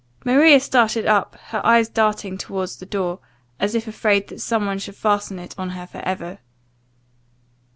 Maria started up, her eyes darting towards the door, as if afraid that some one should fasten it on her for ever.